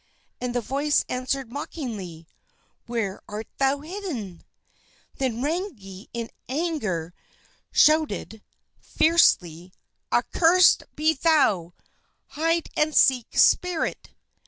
And the voice answered mockingly: "Where art thou hidden?" Then Rangi in anger shouted fiercely: "Accursed be thou, hide and seek spirit!"